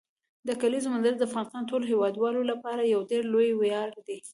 د کلیزو منظره د افغانستان د ټولو هیوادوالو لپاره یو ډېر لوی ویاړ دی.